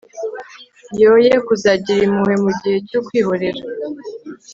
yoye kuzagira impuhwe mu gihe cyo kwihorera